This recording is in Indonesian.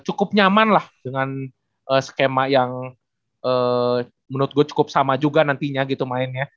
cukup nyaman lah dengan skema yang menurut gue cukup sama juga nantinya gitu mainnya